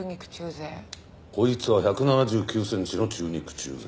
こいつは１７９センチの中肉中背。